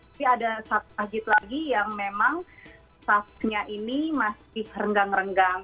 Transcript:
tapi ada satu masjid lagi yang memang tasnya ini masih renggang renggang